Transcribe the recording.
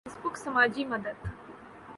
face بک سماجی مدد